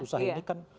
susah ini kan